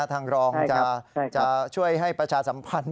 ทางรองจะช่วยให้ประชาสัมพันธ์